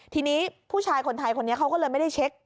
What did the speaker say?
ทีนี้ผู้ชายคนไทยคนนี้เขาก็เลยไม่ได้เช็ค